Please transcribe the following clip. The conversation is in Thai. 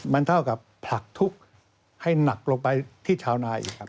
มันเท่ากับผลักทุกข์ให้หนักลงไปที่ชาวนาอีกครับ